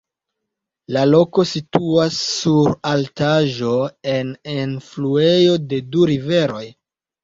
La loko situas sur altaĵo en la enfluejo de du riveroj.